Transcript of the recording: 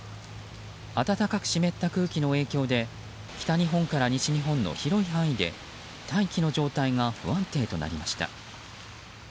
暖かく湿った空気の影響で北日本から西日本の広い範囲で大気の状態が不安定となりました。